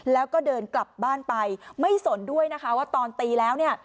แล้วก็เดินกลับบ้านไปไม่สนด้วยนะคะว่าตอนตีแล้วเนี่ย